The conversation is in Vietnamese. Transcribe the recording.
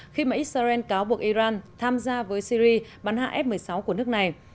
khi mà israel cáo buộc iran tham gia với syri bắn hạ f một mươi sáu của nước này